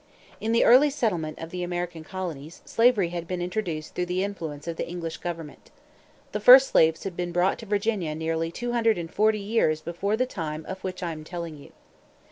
In the early settlement of the American colonies, slavery had been introduced through the influence of the English government. The first slaves had been brought to Virginia nearly 240 years before the time of which I am telling you.